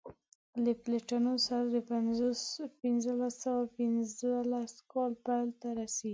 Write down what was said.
د پلټنو سر د پنځلس سوه پنځلس کال پیل ته رسیږي.